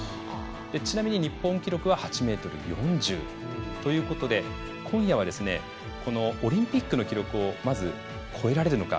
ちなみに日本記録は８ｍ４０ということで今夜は、このオリンピックの記録まず超えられるのか。